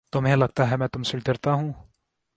تمہیں لگتا ہے میں تم سے ڈرتا ہوں؟